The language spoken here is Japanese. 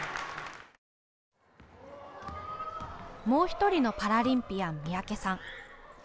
もう１人のパラリンピアン三宅さん。